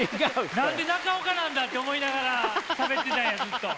何で中岡なんだ？って思いながらしゃべってたんやずっと。